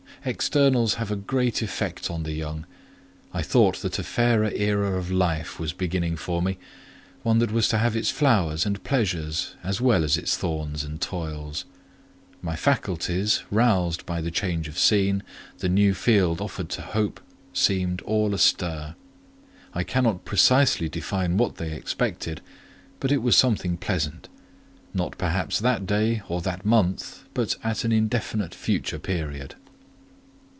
Externals have a great effect on the young: I thought that a fairer era of life was beginning for me, one that was to have its flowers and pleasures, as well as its thorns and toils. My faculties, roused by the change of scene, the new field offered to hope, seemed all astir. I cannot precisely define what they expected, but it was something pleasant: not perhaps that day or that month, but at an indefinite future period.